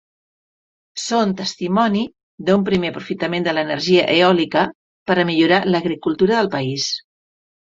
Són testimoni d'un primer aprofitament de l'energia eòlica per a millorar l'agricultura del país.